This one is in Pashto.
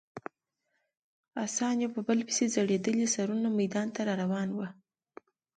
اسان یو په بل پسې ځړېدلي سرونه میدان ته راروان ول.